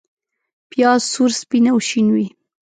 پیاز سور، سپین او شین وي